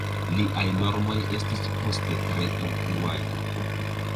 Liaj normoj estis poste tre influaj.